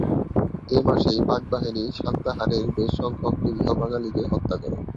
এ মাসেই পাকবাহিনী সান্তাহারের বেশসংখ্যক নিরীহবাঙালিকে হত্যা করে।